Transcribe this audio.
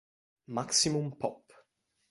Maximum Pop!